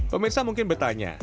pemirsa mungkin bertanya